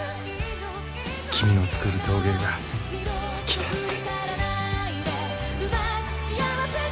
君の作る陶芸が好きだって。